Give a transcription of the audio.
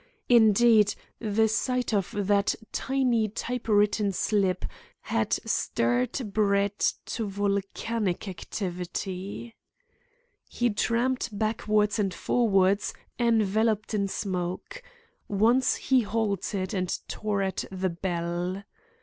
Indeed, the sight of that tiny type written slip had stirred Brett to volcanic activity. He tramped backwards and forwards, enveloped in smoke. Once he halted and tore at the bell.